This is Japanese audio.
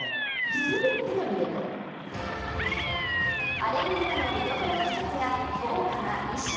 アレグリアの見どころの１つが豪華な衣装。